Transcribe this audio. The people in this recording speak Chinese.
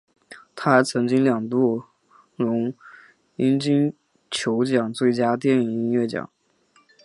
他还曾经两度荣膺金球奖最佳电影音乐奖。